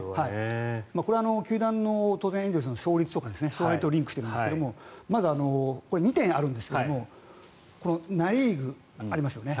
これは球団、エンゼルスの勝率とか勝敗とリンクしているんですがまず、２点あるんですけどナ・リーグ、ありますよね。